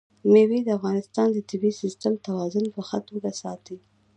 مېوې د افغانستان د طبعي سیسټم توازن په ښه توګه ساتي.